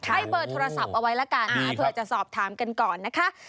ให้เบอร์โทรศัพท์เอาไว้ละกันเผื่อจะสอบถามกันก่อนนะคะ